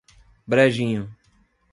Brejinho